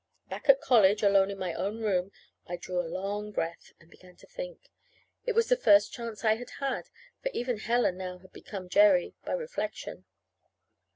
Back at college, alone in my own room, I drew a long breath, and began to think. It was the first chance I had had, for even Helen now had become Jerry by reflection.